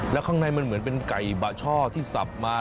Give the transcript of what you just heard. แล้วข้างในมันเหมือนเป็นไก่บะช่อที่สับมา